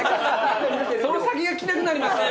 その先が聞きたくなりますね